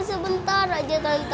sebentar aja tante